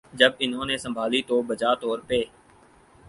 جب انہوں نے سنبھالی تو بجا طور پہ